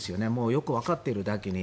よくわかっているだけに。